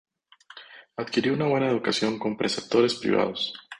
Adquirió una buena educación con preceptores privados.